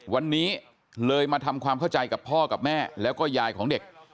วันนี้เลยมาทำความเข้าใจกับพ่อกับแม่แล้วก็ยายของเด็ก